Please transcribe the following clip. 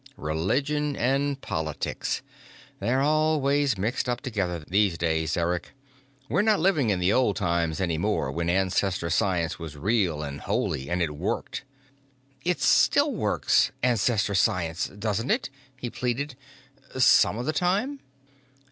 Religion and politics, they're always mixed up together these days, Eric. We're not living in the old times any more when Ancestor science was real and holy and it worked." "It still works, Ancestor science, doesn't it?" he pleaded. "Some of the time?"